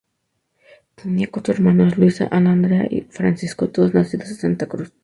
Tenía cuatro hermanos; Luisa, Ana, Andrea y Francisco, todos nacidos en Santa Cruz.